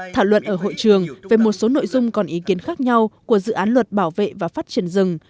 thảo luận ở hội trường về một số nội dung còn ý kiến khác nhau của dự án luật bảo vệ và phát triển rừng